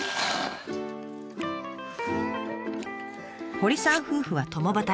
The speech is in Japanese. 堀さん夫婦は共働き。